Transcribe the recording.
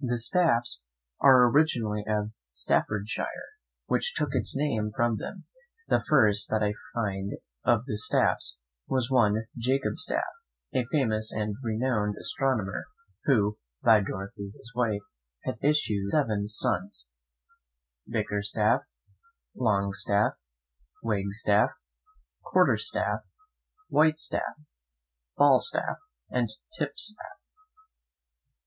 The Staffs are originally of Staffordshire, which took its name from them; the first that I find of the Staffs was one Jacobstaff, a famous and renowned astronomer, who, by Dorothy his wife, had issue seven sons viz., Bickerstaff, Longstaff, Wagstaff, Quarterstaff, Whitestaff, Falstaff, and Tipstaff.